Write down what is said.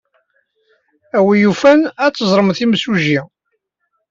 A win yufan, ad teẓrem imsujji.